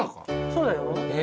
そうだよ。